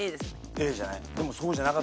Ａじゃない？